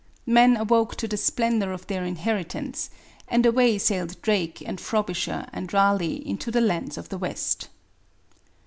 Men awoke to the splendour of their inheritance, and away sailed Drake and Frobisher and Raleigh into the lands of the West.